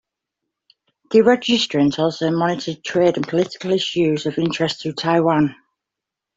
The registrant also monitored trade and political issues of interest to Taiwan.